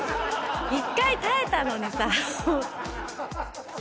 一回耐えたのにさ。